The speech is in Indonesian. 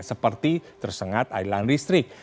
seperti tersengat adilan listrik